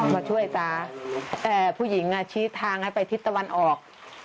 มาช่วยตาผู้หญิงชี้ทางให้ไปทิศตะวันออก